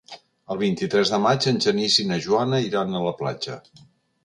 El vint-i-tres de maig en Genís i na Joana iran a la platja.